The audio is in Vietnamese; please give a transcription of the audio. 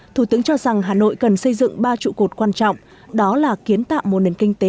thủ tướng cho rằng hà nội cần xây dựng ba trụ cột quan trọng đó là kiến tạo một nền kinh tế